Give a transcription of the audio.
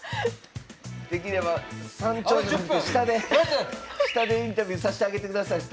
できれば山頂じゃなくて下で下でインタビューさしてあげてください